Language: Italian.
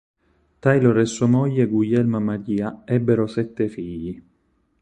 Tylor e sua moglie Gulielma Maria ebbero sette figli.